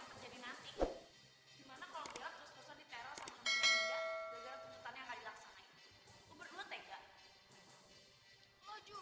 ini pintunya tinggal dikunci aja